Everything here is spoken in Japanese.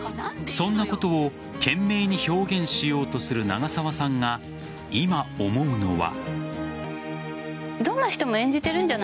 そんなことを懸命に表現しようとする長澤さんが今、思うのは。